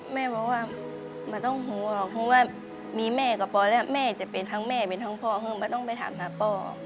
แม่บอกว่าไม่ต้องห่วงหรอกเพราะว่ามีแม่กับปอแล้วแม่จะเป็นทั้งแม่เป็นทั้งพ่อคือไม่ต้องไปถามหาพ่อ